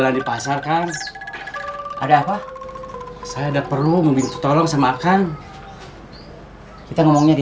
ada di pasar kan ada apa saya udah perlu tolong saya makan kita ngomongnya di